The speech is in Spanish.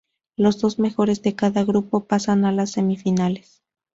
Los dos mejores de cada grupo pasan a las semifinales.